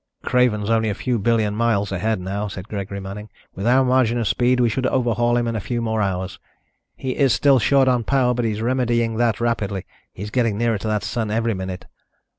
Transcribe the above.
_""Craven's only a few billion miles ahead now," said Gregory Manning. "With our margin of speed, we should overhaul him in a few more hours. He is still short on power, but he's remedying that rapidly. He's getting nearer to that sun every minute.